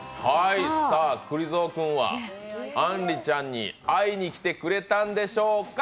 さあ、くり蔵君はあんりちゃんに会いに来てくれたんでしょうか。